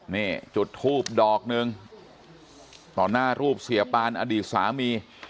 นี่จุดทูบดอกหนึ่งต่อหน้ารูปเสียปานอดีตสามี